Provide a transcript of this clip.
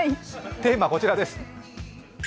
テーマ、こちらです。